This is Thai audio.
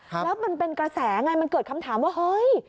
แล้วมันเป็นกระแสไงมันเกิดคำถามว่าเฮ้ย